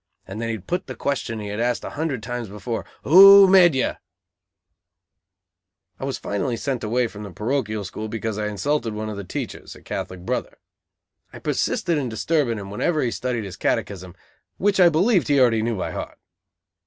and then he'd put the question he had asked a hundred times before: "Who med (made) you?" I was finally sent away from the parochial school because I insulted one of the teachers, a Catholic brother. I persisted in disturbing him whenever he studied his catechism, which I believed he already knew by heart.